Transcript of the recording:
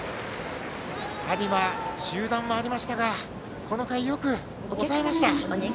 有馬、中断はありましたがこの回、よく抑えました。